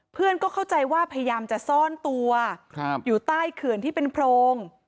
เพื่อนก็เข้าใจว่าพยายามจะซ่อนตัวอยู่ใต้เขื่อนที่เป็นโพรง